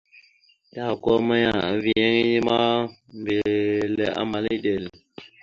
Tahakwa maya, eviyeŋa inne ma, mbile amal iɗel.